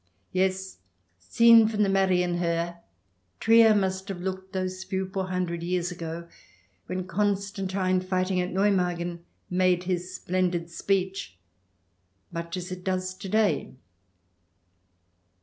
Yes, seen from the Marienhohe, Trier must have looked, those few poor hundred years ago, when Constantine, fighting at Neumagen, made his splendid speech, much as it looks to day.